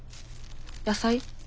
野菜？